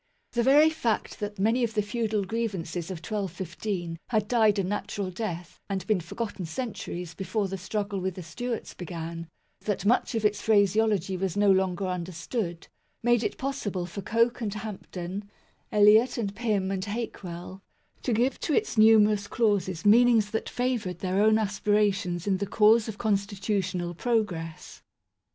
The very fact that many of the feudal grievances of 1215 had died a natural death and been forgotten centuries before the struggle with the Stewarts began; that much of its phraseology was no longer understood, made it possible for Coke and Hampden, Eliot and Pym and Hakewell, to give to its numerous clauses meanings that favoured their own aspirations in the cause of constitutional pro gress.